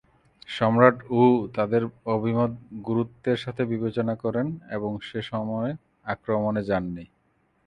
সম্রাট য়ু তাদের অভিমত গুরুত্বের সাথে বিবেচনা করেন এবং সে সময়ে আক্রমণে যান নি।